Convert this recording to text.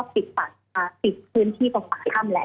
ปิดพื้นที่ของปากถ้ำและ